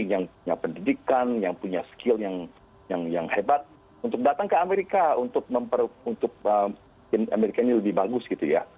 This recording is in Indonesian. yang punya pendidikan yang punya skill yang hebat untuk datang ke amerika untuk amerika ini lebih bagus gitu ya